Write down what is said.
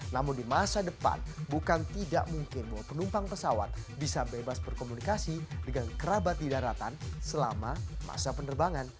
namun di masa depan bukan tidak mungkin bahwa penumpang pesawat bisa bebas berkomunikasi dengan kerabat di daratan selama masa penerbangan